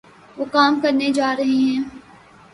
وہ کام کرنےجارہےہیں